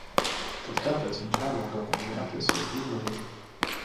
Tad kāpēc viņš jānogalina un japiesaista uzmanība?